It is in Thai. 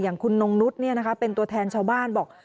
คุณนงนุษย์เป็นตัวแทนชาวบ้านบอก